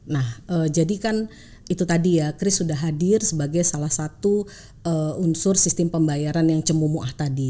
nah jadi kan itu tadi ya chris sudah hadir sebagai salah satu unsur sistem pembayaran yang cemumuah tadi